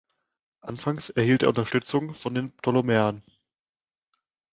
Anfangs erhielt er Unterstützung von den Ptolemäern.